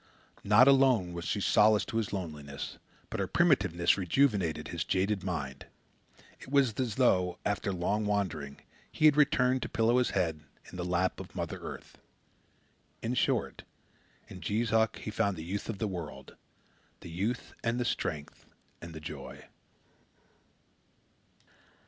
Not alone was she solace to his loneliness, but her primitiveness rejuvenated his jaded mind. It was as though, after long wandering, he had returned to pillow his head in the lap of Mother Earth. In short, in Jees Uck he found the youth of the world the youth and the strength and the joy.